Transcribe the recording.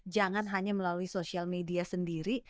jangan hanya melalui sosial media sendiri